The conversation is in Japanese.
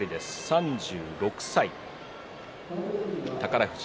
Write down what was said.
３６歳、宝富士。